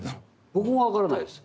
僕も分からないです。